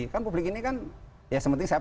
kan publik ini kan ya sementara saya